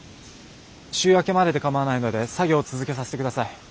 週明けまでで構わないので作業を続けさせて下さい。